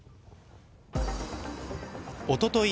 おととい